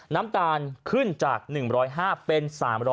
น้ำตาลขึ้นจาก๑๐๕เป็น๓๐๐